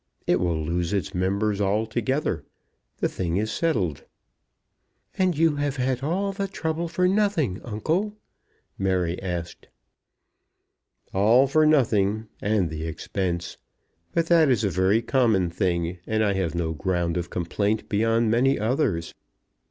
It will lose its members altogether. The thing is settled." "And you have had all the trouble for nothing, uncle?" Mary asked. "All for nothing, and the expense. But that is a very common thing, and I have no ground of complaint beyond many others."